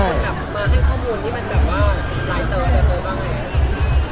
มาให้ข้อมูลที่มันแบบร้ายเธอแบบเธอบ้าง